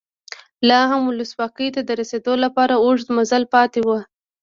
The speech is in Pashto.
لا هم ولسواکۍ ته د رسېدو لپاره اوږد مزل پاتې و.